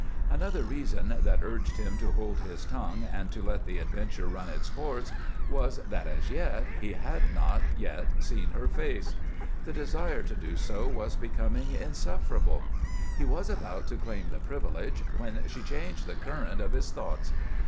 Another reason that urged him to hold his tongue and to let the adventure run its course was that as yet he had not seen her face. The desire to do so was becoming insufferable. He was about to claim the privilege when she changed the current of his thoughts.